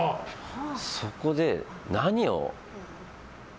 そこで、何を。